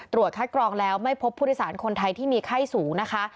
คัดกรองแล้วไม่พบผู้โดยสารคนไทยที่มีไข้สูงนะคะ